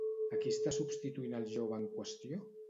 A qui està substituint el jove en qüestió?